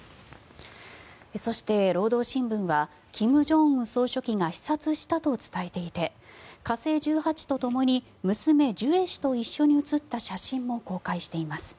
そして、労働新聞は金正恩総書記が視察したと伝えていて火星１８とともに娘・ジュエ氏と一緒に写った写真も公開しています。